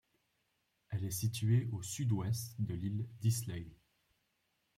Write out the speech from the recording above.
Elle est située au sud-ouest de l'île d'Islay.